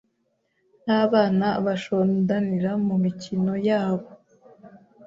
nk’abana bashondanira mu mikino ya bo